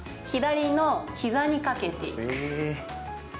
左のひざにかけていく。